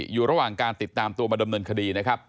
อยู่ระหว่างการติดตามตัวมาดำเนินคดีนะครับ